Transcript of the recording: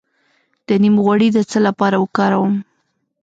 د نیم غوړي د څه لپاره وکاروم؟